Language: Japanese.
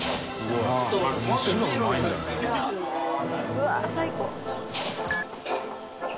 うわっ最高。